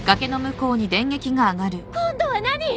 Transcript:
今度は何！？